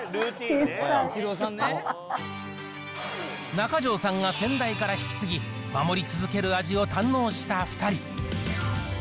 中條さんが先代から引き継ぎ、守り続ける味を堪能した２人。